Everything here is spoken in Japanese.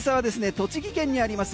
栃木県にあります